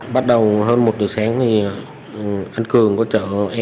bắt đầu hơn một giờ sáng anh cường có chở em